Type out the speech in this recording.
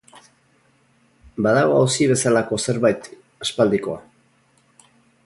Badago auzi bezalako zerbait, aspaldikoa.